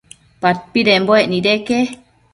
Padpidembuec nideque